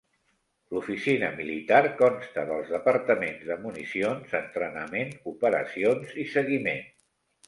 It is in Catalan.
L'oficina militar consta dels departaments de municions, entrenament, operacions i seguiment.